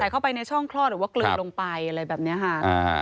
เข้าไปในช่องคลอดหรือว่ากลืนลงไปอะไรแบบนี้ค่ะ